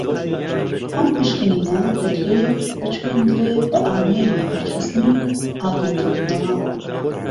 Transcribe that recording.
ئەم پشکنینە دەکرێ بچووێندرێ بە ئامێری دەرخستنی ئاگرکەوتنەوە